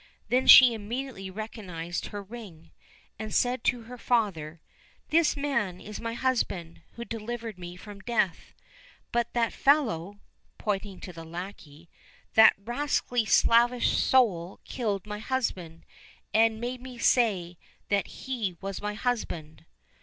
Then she immediately recognized her ring, and said to her father, " This man is my husband who delivered me from death, but that fellow "— pointing to the lackey —" that rascally slavish soul killed my husband and made me say that he was my husband."